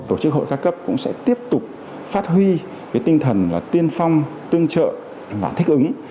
tổ chức hội ca cấp cũng sẽ tiếp tục phát huy tinh thần tiên phong tương trợ và thích ứng